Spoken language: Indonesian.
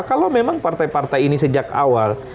kalau memang partai partai ini sejak awal